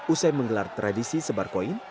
usai menggelar tradisi sebar koin